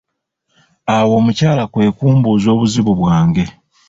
Awo omukyala kwe kumbuuza obuzibu bwange.